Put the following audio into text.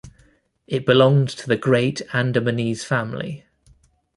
It belonged to the Great Andamanese family.